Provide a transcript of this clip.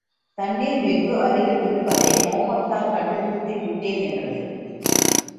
தண்ணிர் வெகு அருகில் இருப்பதை மோப்பத்தால் கண்டுபிடித்து விட்டேன் என்றது.